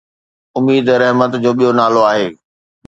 اميد رحمت جو ٻيو نالو آهي